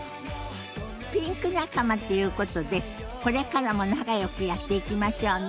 ピンク仲間っていうことでこれからも仲よくやっていきましょうね。